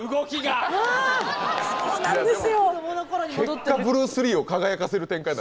結果ブルース・リーを輝かせる展開に。